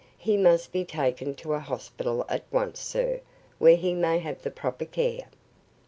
He must be taken to a hospital at once, sir, where he may have the proper care."